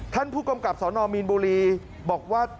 ท่านผู้กำกับสนมีนบุรีบอกว่า